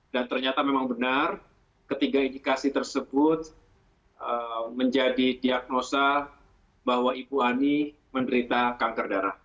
dan ternyata memang benar ketiga indikasi tersebut menjadi diagnosa bahwa ibu ani menderita kanker darah